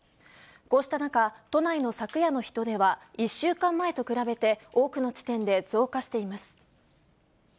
こうした中、都内の昨夜の人出は１週間前と比べて、多くの地点で増加しています。